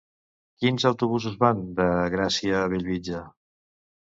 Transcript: Quins autobusos van de Gràcia a Bellvitge?